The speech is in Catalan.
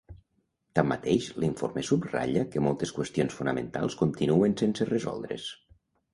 Tanmateix, l'informe subratlla que moltes qüestions fonamentals continuen sense resoldre's.